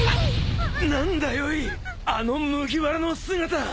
何だよいあの麦わらの姿。